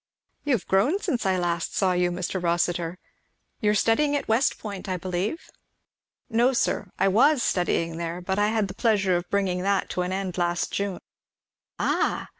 You have grown since I saw you last, Mr. Rossitur. You are studying at West Point, I believe." "No sir; I was studying there, but I had the pleasure of bringing that to an end last June." "Ah!